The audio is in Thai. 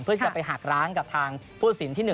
เพื่อจะไปหักร้างกับทางผู้สินที่๑